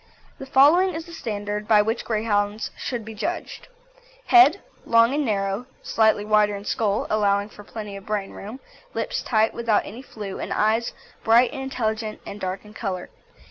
The following is the standard by which Greyhounds should be judged. HEAD Long and narrow, slightly wider in skull, allowing for plenty of brain room; lips tight, without any flew, and eyes bright and intelligent and dark in colour.